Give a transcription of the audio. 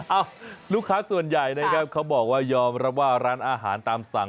เอ้าลูกค้าส่วนใหญ่นะครับเขาบอกว่ายอมรับว่าร้านอาหารตามสั่ง